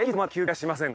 しませんか？